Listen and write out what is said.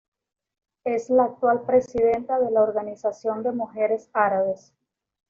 Es la actual presidenta de la Organización de Mujeres Árabes.